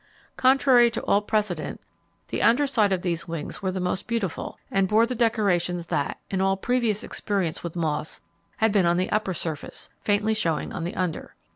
Contrary to all precedent, the under side of these wings were the most beautiful, and bore the decorations that, in all previous experience with moths, had been on the upper surface, faintly showing on the under.